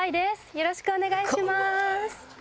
よろしくお願いします。